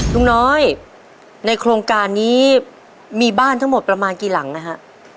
ลุงน้อยในโครงการนี้มีบ้านทั้งหมดประมาณกี่หลังนะฮะ